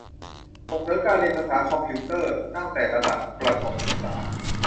ส่งเสริมการเรียน ภาษาคอมพิวเตอร์ ตั้งแต่ระดับประถมศึกษา